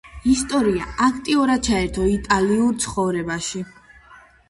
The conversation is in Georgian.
ისტრია აქტიურად ჩაერთო იტალიურ ცხოვრებაში.